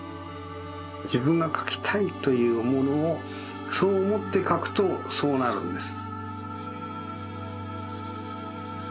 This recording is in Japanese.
じぶんがかきたいというものをそうおもってかくとそうなるんです。